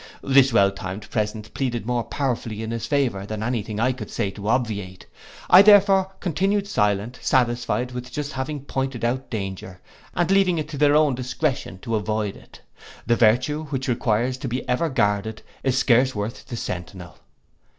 This well timed present pleaded more powerfully in his favour, than any thing I had to say could obviate. I therefore continued silent, satisfied with just having pointed out danger, and leaving it to their own discretion to avoid it. That virtue which requires to be ever guarded, is scarce worth the centinel.